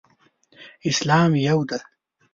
اسلام یو دی.